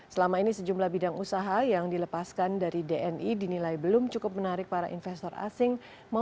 selama ini sejumlah bidang usaha yang dilepaskan dari dni dinilai belum cukup menarik para investor asing